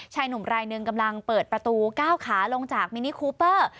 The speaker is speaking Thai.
ชายหนุ่มรายหนึ่งกำลังเปิดประตูก้าวขาลงจากมินิคูเปอร์